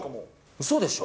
うそでしょ。